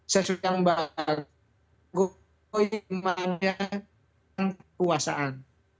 sesuatu yang berkaitan dengan kekuasaan